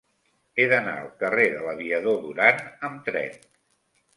He d'anar al carrer de l'Aviador Durán amb tren.